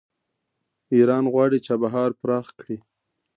ایران غواړي چابهار پراخ کړي.